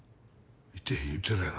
いてへん言うてるやろ。